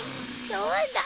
そうだ